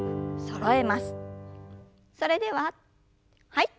それでははい。